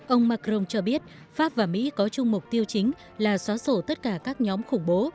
ông macron cho biết pháp và mỹ có chung mục tiêu chính là xóa sổ tất cả các nhóm khủng bố